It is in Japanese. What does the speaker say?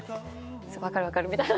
分かる分かる」みたいな。